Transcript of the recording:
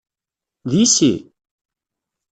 D yessi?